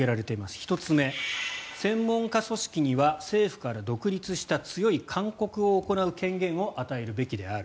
１つ目、専門家組織には政府から独立した強い勧告を行う権限を与えるべきである。